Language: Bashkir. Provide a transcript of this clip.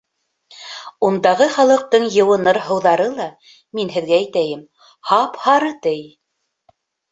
Ундағы халыҡтың йыуыныр һыуҙары ла, мин һеҙгә әйтәйем, һап-һары, ти.